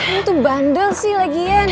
kamu tuh bandel sih lagian